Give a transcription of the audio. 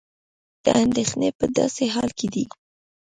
دا اندېښنې په داسې حال کې دي